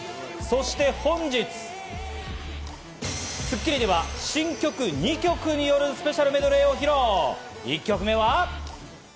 そして本日、『スッキリ』では新曲２曲によるスペシャルメドレーを披露。